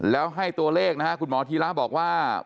แล้วให้ตัวเลขนะฮะคุณหมอธีระบอกว่า